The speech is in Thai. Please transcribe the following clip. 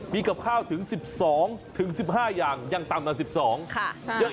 มีกลับข้าวถึง๑๒ถึง๑๕อย่างยังต่ำกว่า๑๒